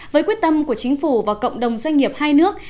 với quyết tâm của chính phủ và cộng đồng doanh nghiệp hai nước